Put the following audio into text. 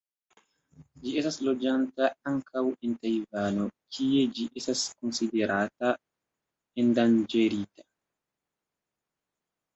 Ĝi estas loĝanta ankaŭ en Tajvano, kie ĝi estas konsiderata endanĝerita.